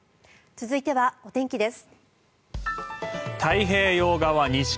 続いてはお天気です。